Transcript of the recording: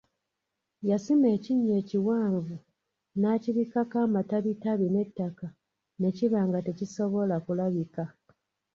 Yasima ekinnya ekiwanvu, n'akibikkako amatabitabi n'ettaka ne kiba nga tekisobola kulabika.